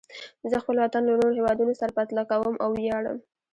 زه خپل وطن له نورو هېوادونو سره پرتله کوم او ویاړم.